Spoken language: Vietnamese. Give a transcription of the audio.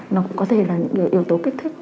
nó cũng có thể là những yếu tố kích thích